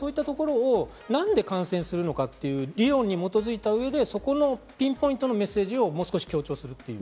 何で感染するのかという理論に基づいた上で、そこのピンポイントのメッセージをもう少し強調する。